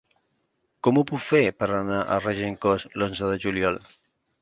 Com ho puc fer per anar a Regencós l'onze de juliol?